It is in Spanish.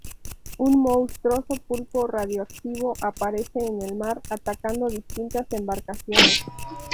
Un monstruoso pulpo radioactivo aparece en el mar, atacando distintas embarcaciones.